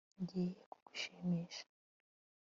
Ngiye kugushimisha